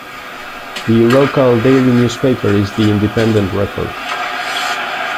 The local daily newspaper is the "Independent Record".